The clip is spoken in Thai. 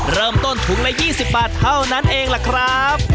เริ่มต้นถุงละ๒๐บาทเท่านั้นเองล่ะครับ